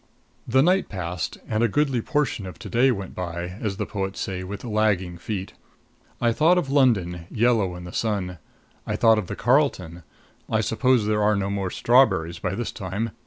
The night passed, and a goodly portion of to day went by as the poets say with lagging feet. I thought of London, yellow in the sun. I thought of the Carlton I suppose there are no more strawberries by this time.